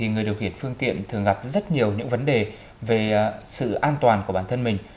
người điều khiển phương tiện thường gặp rất nhiều những vấn đề về sự an toàn của bản thân mình